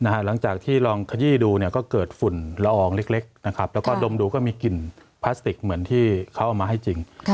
หลังจากที่ลองขยี้ดูก็เกิดฝุ่นละอองเล็กแล้วก็ดมดูก็มีกลิ่นพลาสติกเหมือนที่เขาเอามาให้จริง